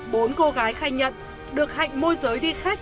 bốn cô gái khai nhận được hạnh môi giới đi khách